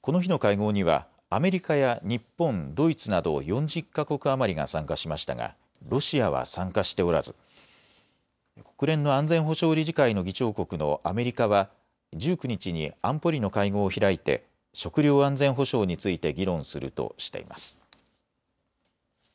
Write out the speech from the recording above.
この日の会合にはアメリカや日本、ドイツなど４０か国余りが参加しましたがロシアは参加しておらず国連の安全保障理事会の議長国のアメリカは１９日に安保理の会合を開いて食料安全保障について議論するとしています。